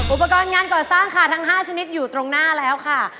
อุปกรณ์งานก่อสร้างค่ะทั้ง๕ชนิดอยู่ตรงหน้าแล้วค่ะ